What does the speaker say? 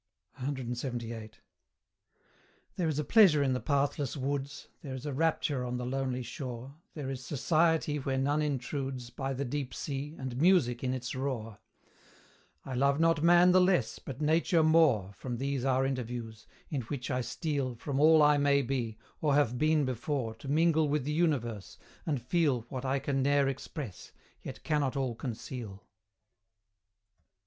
CLXXVIII. There is a pleasure in the pathless woods, There is a rapture on the lonely shore, There is society where none intrudes, By the deep Sea, and music in its roar: I love not Man the less, but Nature more, From these our interviews, in which I steal From all I may be, or have been before, To mingle with the Universe, and feel What I can ne'er express, yet cannot all conceal.